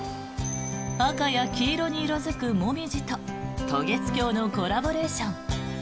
赤や黄色に色付くモミジと渡月橋のコラボレーション。